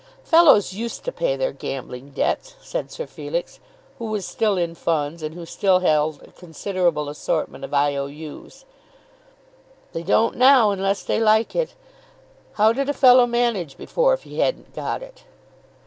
"Fellows used to pay their gambling debts," said Sir Felix, who was still in funds, and who still held a considerable assortment of I. O. U.'s. "They don't now, unless they like it. How did a fellow manage before, if he hadn't got it?"